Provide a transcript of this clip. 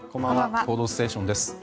「報道ステーション」です。